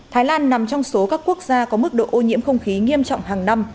thái lan nằm trong số các quốc gia có mức độ ô nhiễm không khí nghiêm trọng hàng năm